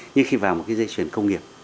nhưng khi vào một dây chuyển công nghiệp